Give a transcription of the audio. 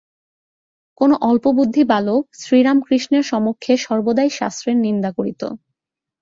কোন অল্পবুদ্ধি বালক, শ্রীরামকৃষ্ণের সমক্ষে সর্বদাই শাস্ত্রের নিন্দা করিত।